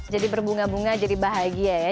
jadi berbunga bunga jadi bahagia ya